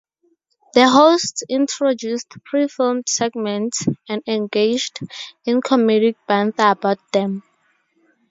The hosts introduced pre-filmed segments and engaged in comedic banter about them.